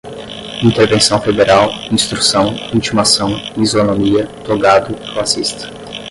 intervenção federal, instrução, intimação, isonomia, togado, classista